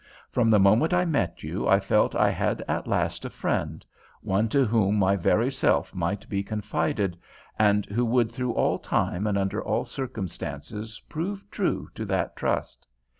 From the moment I met you I felt I had at last a friend, one to whom my very self might be confided, and who would through all time and under all circumstances prove true to that trust.